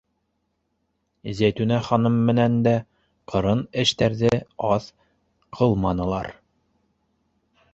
Зәйтүнә ханым менән дә «ҡырын эштәр»ҙе аҙ ҡылманылар.